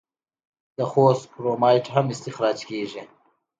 د خوست کرومایټ هم استخراج کیږي.